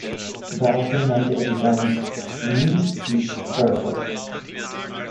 Daraufhin nannte er die Band "New Deep Purple".